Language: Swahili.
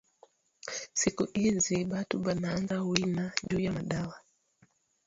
Siku izi batu bananza wina juya madawa